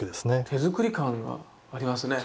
手作り感がありますね。